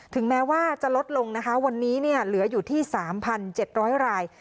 ถึงแม้ว่าจะลดลงนะคะวันนี้เหลืออยู่ที่๓๗๐๐ราย